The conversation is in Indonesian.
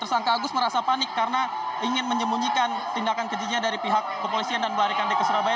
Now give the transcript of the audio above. tersangka agus merasa panik karena ingin menyembunyikan tindakan kejinya dari pihak kepolisian dan melarikan diri ke surabaya